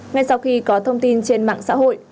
ngay sau khi có thông tin trên mạng xã hội